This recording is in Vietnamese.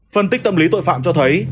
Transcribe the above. phân tích tâm lý tội phạm cho thấy